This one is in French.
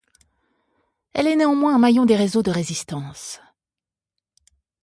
Elle est néanmoins un maillon des réseaux de Résistance.